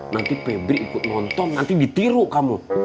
nanti febri ikut nonton nanti ditiru kamu